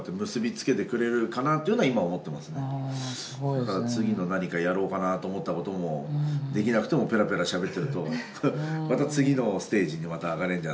だから次の何かやろうかなと思ったこともできなくてもペラペラしゃべってるとまた次のステージにまた上がれるんじゃないかなと。